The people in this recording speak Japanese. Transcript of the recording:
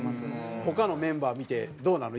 他のメンバー見てどうなの？